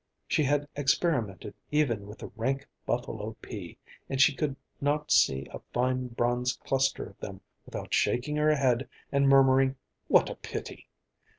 She had experimented even with the rank buffalo pea, and she could not see a fine bronze cluster of them without shaking her head and murmuring, "What a pity!"